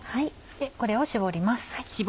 これを搾ります。